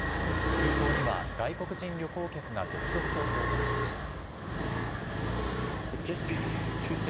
空港には、外国人旅行客が続々と到着しました。